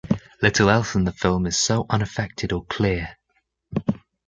Little else in the film is so unaffected or clear.